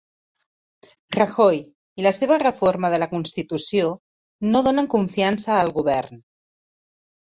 Rajoy i la seva reforma de la constitució no donen confiança al govern